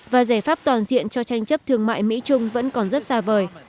và giải pháp toàn diện cho tranh chấp thương mại mỹ trung vẫn còn rất xa vời